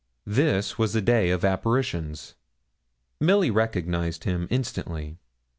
This was a day of apparitions! Milly recognised him instantly.